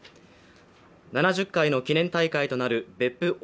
７０回の記念大会となる別府